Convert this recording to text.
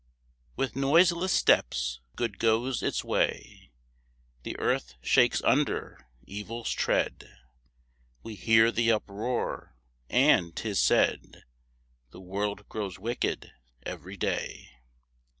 With noiseless steps good goes its way; The earth shakes under evil's tread. We hear the uproar, and 'tis said, The world grows wicked every day.